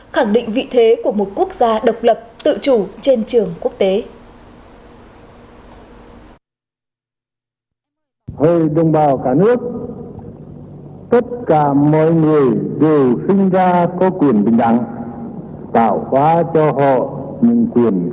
khẳng định vị thế của một quốc gia độc lập tự chủ trên trường quốc tế